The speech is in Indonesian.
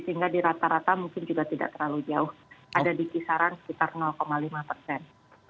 sehingga di rata rata mungkin juga tidak terlalu jauh ada di kisaran sekitar lima persen